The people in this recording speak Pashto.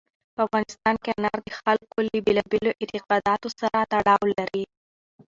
په افغانستان کې انار د خلکو له بېلابېلو اعتقاداتو سره تړاو لري.